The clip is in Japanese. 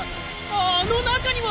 あの中には。